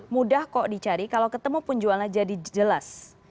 mudah kok dicari kalau ketemu penjualnya jadi jelas